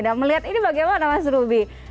nah melihat ini bagaimana mas ruby